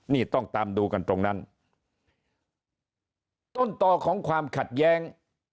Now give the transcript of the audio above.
นี่ต้องตามดูกันตรงนั้นต้นต่อของความขัดแย้ง